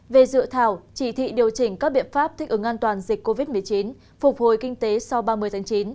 về dự thảo chỉ thị điều chỉnh các biện pháp thích ứng an toàn dịch covid một mươi chín phục hồi kinh tế sau ba mươi tháng chín